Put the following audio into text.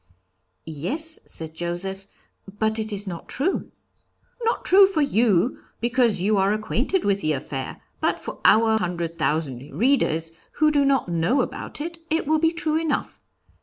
'Yes,' said Joseph, 'but it is not true.' 'Not true for you, because you are acquainted with the affair; but for our hundred thousand readers, who do not know about it, it will be true enough.